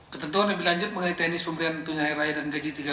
ketentuan yang berlanjut mengenai teknis pemberian tunjangan raya dan gaji tiga belas